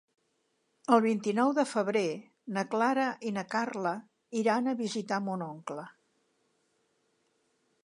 El vint-i-nou de febrer na Clara i na Carla iran a visitar mon oncle.